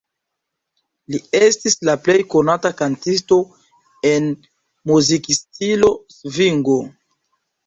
Li estis la plej konata kantisto en muzikstilo svingo.